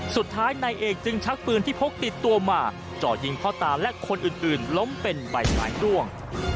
สุดท้ายนายเอกจึงชักปืนที่พกติดตัวมาจ่อยิงพ่อตาและคนอื่นล้มเป็นใบไม้ด้วง